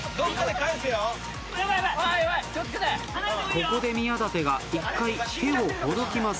ここで宮舘が一回手をほどきます。